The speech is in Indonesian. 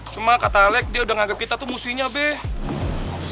cuma kata alex dia udah nganggep kita tuh musuhnya be